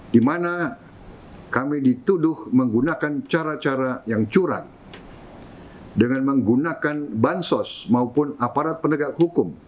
di mana kami dituduh menggunakan cara cara yang curang dengan menggunakan bansos maupun aparat penegak hukum